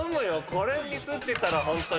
これミスってたらホントに。